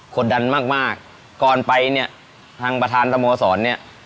ดดันมากมากก่อนไปเนี่ยทางประธานสโมสรเนี่ย